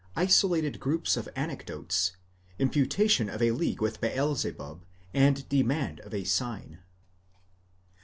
ISOLATED GROUPS OF ANECDOTES. IMPUTATION OF A LEAGUE WITH BEELZEBUB, AND DEMAND OF A SIGN.